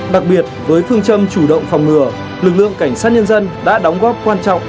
đặc biệt với phương châm chủ động phòng ngừa lực lượng cảnh sát nhân dân đã đóng góp quan trọng